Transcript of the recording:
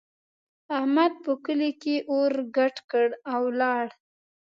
احمد په کلي کې اور ګډ کړ او ولاړ.